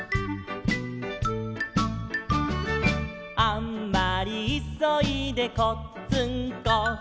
「あんまりいそいでこっつんこ」